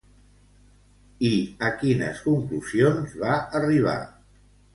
I a quines conclusions va arribar?